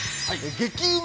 激うま！